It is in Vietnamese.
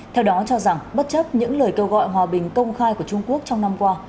theo đó cho rằng bất chấp những lời kêu gọi hòa bình công khai của trung quốc trong năm qua